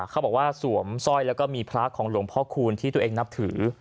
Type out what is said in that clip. เขาบอกว่าสวมสร้อยแล้วก็มีพระของหลวงพ่อคูณที่ตัวเองนับถือ